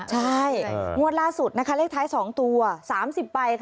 ใช่งวดล่าสุดเลขทั้ย๒ตัว๓๐ใบ